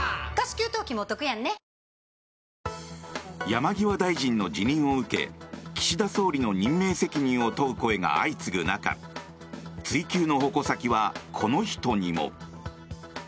山際大臣の辞任を受け岸田総理の任命責任を問う声が相次ぐ中追及の矛先はこの人にも。